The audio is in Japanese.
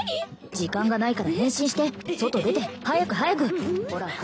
時間がないから変身して外出て早く早く！